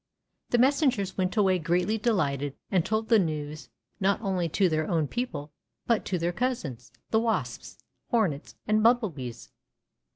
The messengers went away greatly delighted and told the news not only to their own people but to their cousins, the wasps, hornets, and bumblebees.